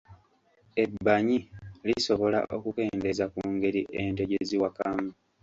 Ebbanyi lisobola okukendeeza ku ngeri ente gye ziwakamu.